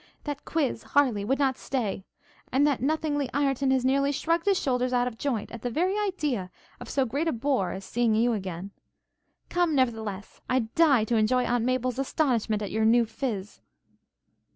That quiz, Harleigh, would not stay; and that nothingly Ireton has nearly shrugged his shoulders out of joint, at the very idea of so great a bore as seeing you again. Come, nevertheless; I die to enjoy Aunt Maple's astonishment at your new phiz.'